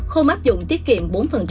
không áp dụng tiết kiệm bốn